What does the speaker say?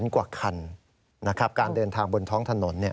๗๐๐๐กว่าคันการเดินทางบนท้องถนน